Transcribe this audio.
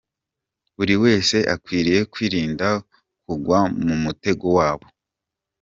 Buri wese akwiriye kwirinda kugwa mu mutego wabo.